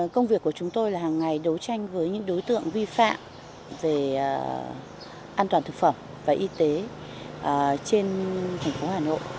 công việc của chúng tôi là hàng ngày đấu tranh với những đối tượng vi phạm về an toàn thực phẩm và y tế trên thành phố hà nội